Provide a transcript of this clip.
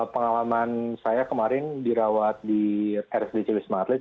pengalaman saya kemarin dirawat di rsdc wisma atlet